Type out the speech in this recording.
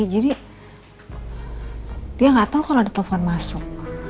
jadi dia nggak tau kalo ada telepon masuk